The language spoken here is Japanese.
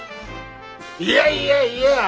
いやいやいや